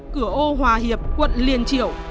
cửa ô hòa hiệp quận liền triểu